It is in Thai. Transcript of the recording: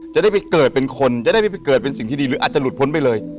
จะได้ไปเกิดเป็นคนจะได้ไปเกิดเป็นสิ่งที่ดีหรืออาจจะหลุดพ้นไปเลย